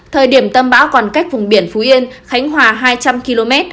thời điểm tâm bão còn cách vùng biển phú yên khánh hòa hai trăm linh km